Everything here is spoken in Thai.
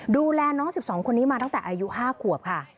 ดูแลน้อง๑๒คนนี้มาตั้งแต่อายุ๕ขวบค่ะ